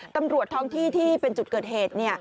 ตำรวจท้องที่ที่เป็นจุดเกิดเหตุ